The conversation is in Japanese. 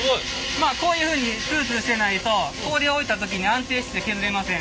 まあこういうふうにツルツルしてないと氷を置いた時に安定して削れません。